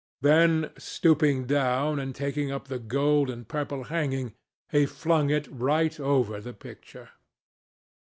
Then, stooping down and taking up the gold and purple hanging, he flung it right over the picture.